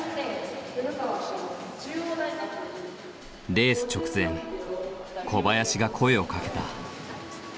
レース直前小林が声をかけた。